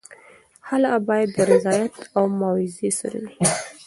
خلع باید د رضایت او معاوضې سره وي.